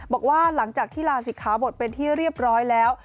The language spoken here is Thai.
บอกว่าหลังจากที่ลาศิกขาบทเป็นที่เรียบร้อยแล้ว